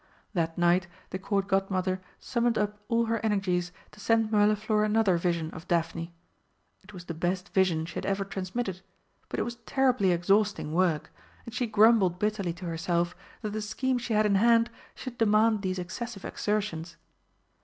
That night the Court Godmother summoned up all her energies to send Mirliflor another vision of Daphne. It was the best vision she had ever transmitted, but it was terribly exhausting work, and she grumbled bitterly to herself that the scheme she had in hand should demand these excessive exertions.